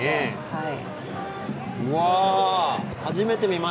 はい。